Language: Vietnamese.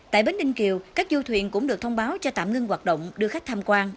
tại bến ninh kiều các du thuyền cũng được thông báo cho tạm ngưng hoạt động đưa khách tham quan